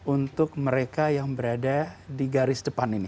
untuk mereka yang berada di garis depan ini